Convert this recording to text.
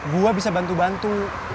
gue bisa bantu bantu